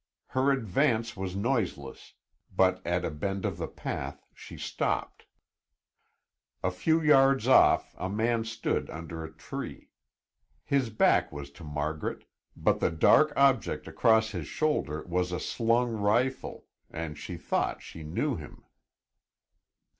Her advance was noiseless, but at a bend of the path she stopped. A few yards off, a man stood under a tree. His back was to Margaret, but the dark object across his shoulder was a slung rifle and she thought she knew him.